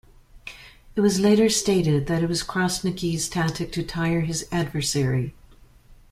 It was later stated that it was Krasniqi's tactic to tire his adversary.